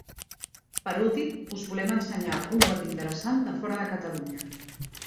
Per últim, us volem ensenyar un web interessant de fora de Catalunya.